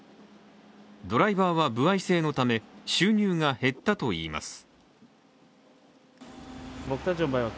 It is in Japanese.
ドライバーは歩合制のため収入が減ったといいます。